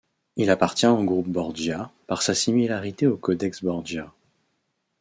Il appartient au groupe Borgia par sa similarité au codex Borgia.